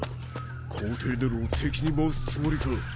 皇帝ネロを敵に回すつもりか。